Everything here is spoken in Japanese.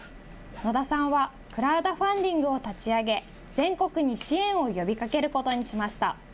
野田さんはクラウドファンディングを立ち上げ、全国に支援を呼びかけることにしました。